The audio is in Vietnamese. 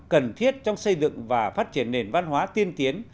cần thiết trong xây dựng và phát triển nền văn hóa tiên tiến